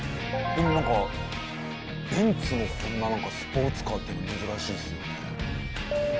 でもなんかベンツの車がスポーツカーって珍しいですよね。